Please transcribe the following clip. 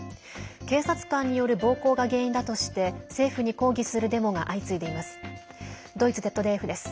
警察官による暴行が原因だとして政府に抗議するデモが相次いでいます。